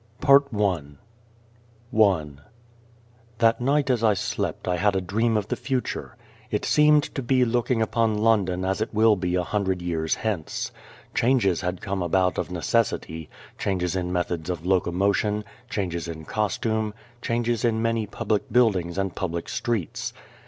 243 PART I I THAT night as I slept I had a dream of the future. I seemed to be looking upon London as it will be a hundred years hence. Changes had come about of necessity changes in methods of locomotion, changes in costume, changes in many public buildings and public streets.